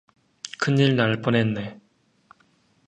큰일 날 뻔했네.